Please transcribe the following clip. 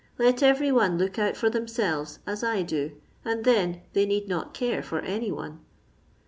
Let every one look out for themselves, as I do, and then they need not care for any one."